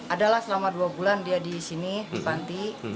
adalah selama dua bulan dia di sini di panti